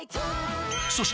そして